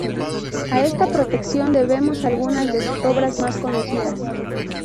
A esta protección debemos algunas de sus obras más conocidas.